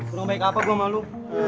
udah baik apa gue sama lo